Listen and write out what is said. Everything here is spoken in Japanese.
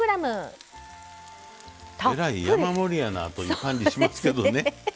えらい山盛りやなという感じしますけどね。